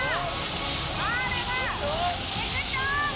อีกนิดนึงคุณชะนัก